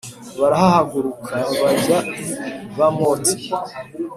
Barahahaguruka bajya i bamoti